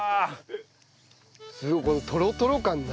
すごいこのトロトロ感何？